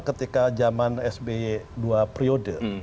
ketika zaman sby dua periode